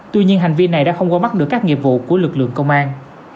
tuy nhiên hành vi này đã không qua mắt được các nghiệp vụ của lực lượng công an